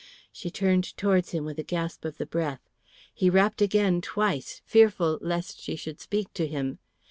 She turned towards him with a gasp of the breath. He rapped again twice, fearful lest she should speak to him.